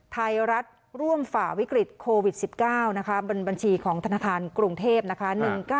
ไทยรัฐร่วมฝ่าวิกฤตโควิด๑๙นะคะบนบัญชีของธนาคารกรุงเทพนะคะ